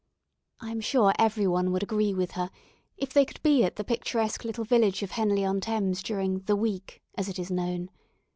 I am sure every one would agree with her, if they could be at the picturesque little village of Henley on Thames during "the week," as it is known.